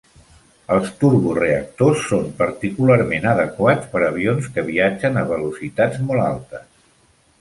Els turboreactors són particularment adequats per a avions que viatgen a velocitats molt altes.